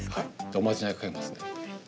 おまじないかけますね。